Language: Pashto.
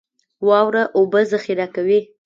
واوره اوبه ذخیره کوي